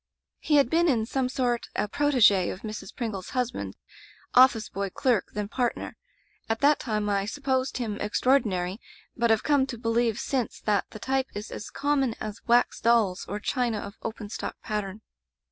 "He had been in some sort a protege of Mrs. Pringle's husband — office boy, clerk, then partner. At that time I supposed him extraordinary, but have come to believe since that the t3rpe is as common as wax dolls, or china of 'open stock' pattern.